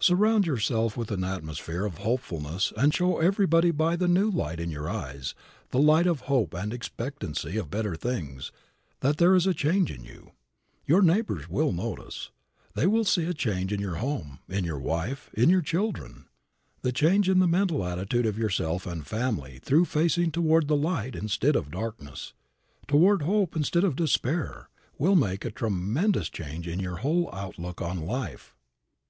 Surround yourself with an atmosphere of hopefulness and show everybody by the new light in your eyes, the light of hope and expectancy of better things, that there is a change in you. Your neighbors will notice it. They will see a change in your home, in your wife, in your children. The change in the mental attitude of yourself and family, through facing toward the light instead of darkness, toward hope instead of despair, will make a tremendous change in your whole outlook on life.